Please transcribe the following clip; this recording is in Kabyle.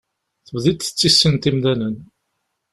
Tebdiḍ tettissineḍ imdanen.